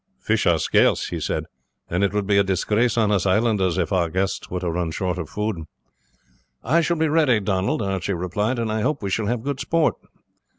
"Fish are scarce," he said, "and it would be a disgrace on us islanders if our guests were to run short of food." "I shall be ready, Donald," Archie replied, "and I hope we shall have good sport."